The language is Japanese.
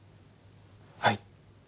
はい。